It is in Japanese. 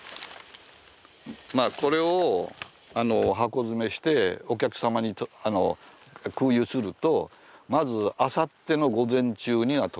これを箱詰めしてお客様に空輸するとまずあさっての午前中には届く。